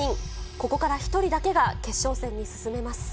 ここから１人だけが決勝戦に進めます。